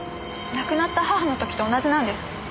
亡くなった母の時と同じなんです。